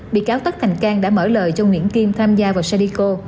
bị cáo tất thành cang đã mở lời cho nguyễn kim tham gia vào sadico